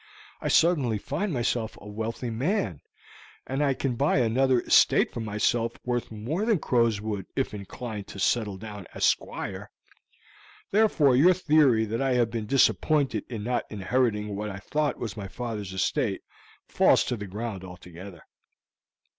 I suddenly find myself a wealthy man, and I can buy another estate for myself worth more than Crowswood if inclined to settle down as a squire; therefore your theory that I have been disappointed in not inheriting what I thought was my father's estate falls to the ground altogether.